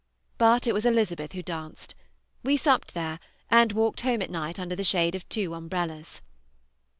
But it was Elizabeth who danced. We supped there, and walked home at night under the shade of two umbrellas.